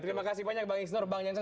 terima kasih banyak bang isnor bang jansan